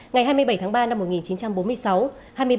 ngày hai mươi bảy tháng ba năm một nghìn chín trăm bốn mươi sáu